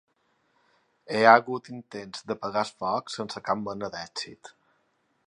Hi ha hagut intents d'apagar el foc sense cap mena d'èxit.